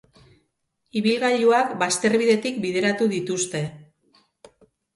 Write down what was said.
Ibilgailuak bazterbidetik bideratu dituzte.